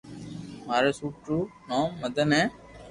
ماري سوٽ رو نوم مدن ھي